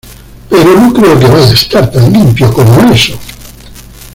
Pero no creo que vaya a estar tan limpio como eso.